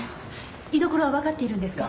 居どころはわかっているんですか？